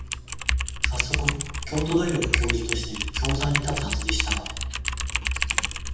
さっそく、京都大学教授として教壇に立つはずでしたが、